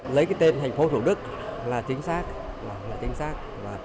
lấy cái tên thành phố thủ đức là chính xác là chính xác